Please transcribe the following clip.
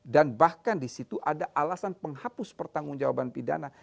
dan bahkan di situ ada alasan penghapus pertanggung jawaban pidana